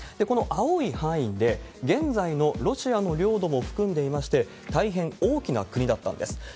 この青い範囲で、現在のロシアの領土も含んでいまして、大変大きな国だったんです。